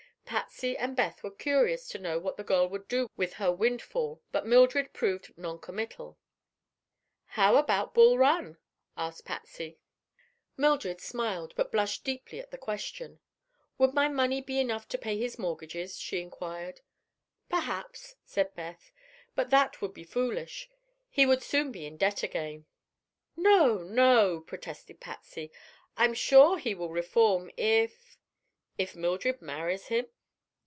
Patsy and Beth were curious to know what the girl would do with her windfall, but Mildred proved noncommittal. "How about Bul Run?" asked Patsy. Mildred smiled but blushed deeply at the question. "Would my money be enough to pay his mortgages?" she inquired. "Perhaps," said Beth, "but that would be foolish. He would soon be in debt again." "No, no!" protested Patsy. "I'm sure he will reform if—" "If Mildred marries him?"